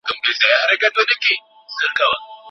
شاه امان الله خان د ولس د ملاتړ غوښتنه وکړه.